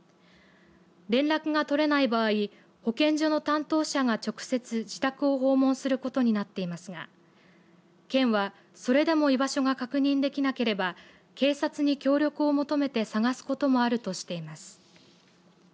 連絡が取れない場合保健所の担当者が直接自宅を訪問することになっていますが県は、それでも居場所が確認できなければ警察に協力を求めて探すこともあるとしています。